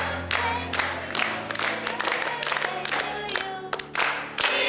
hidup di lena hidup di lena